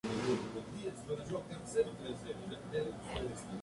Charlie dice que deberían entregar la fórmula cuando la encuentren, lo que Max protesta.